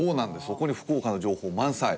そこに福岡の情報満載。